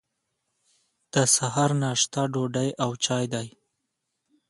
د سهار ناشته ډوډۍ او چای دی.